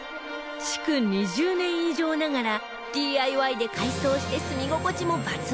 築２０年以上ながら ＤＩＹ で改装して住み心地も抜群